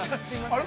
◆あれ？